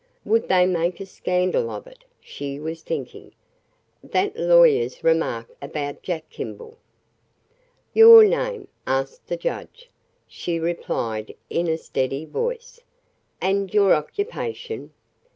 "Would they make a scandal of it?" she was thinking. "That lawyer's remark about Jack Kimball?" "Your name?" asked the judge. She replied in a steady voice. "And your occupation?"